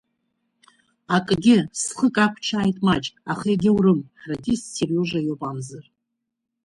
Акгьы, схы кақәчааит маҷк, аха егьаурым, ҳрадист Сериожа иауп амзар!